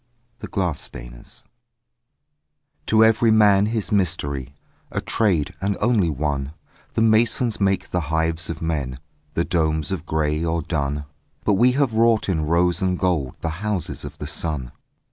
THE GLASS STAINERS To every Man his Mystery, A trade and only one: The masons make the hives of men, The domes of grey or dun, But we have wrought in rose and gold The houses of the sun.